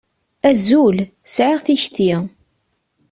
Azul, sεiɣ tikti.